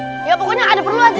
ya pokoknya ada perlu lagi